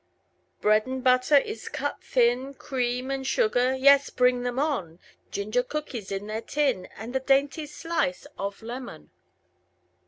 Bread and butter is cut thin, Cream and sugar, yes, bring them on; Ginger cookies in their tin, And the dainty slice of lemon.